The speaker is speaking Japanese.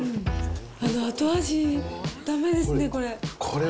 あと後味、だめですね、これ。